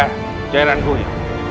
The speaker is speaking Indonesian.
lihat saja jaran guya